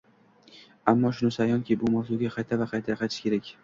Ammo shunisi ayonki, bu mavzuga qayta va qayta qaytish kerak